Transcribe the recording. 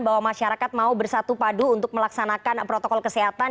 bahwa masyarakat mau bersatu padu untuk melaksanakan protokol kesehatan